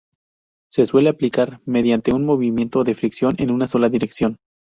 Se suele aplicar mediante un movimiento de fricción en una sola dirección.